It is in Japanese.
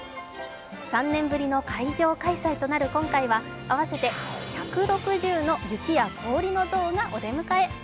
３年ぶりの会場開催となる今回は合わせて１６０の雪や氷の像がお出迎え。